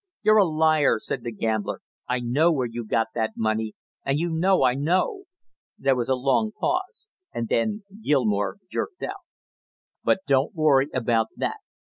"You're a liar!" said the gambler. "I know where you got that money, and you know I know." There was a long pause, and then Gilmore jerked out: "But don't you worry about that.